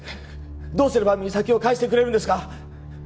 どうすれば実咲を返してくれるんですか？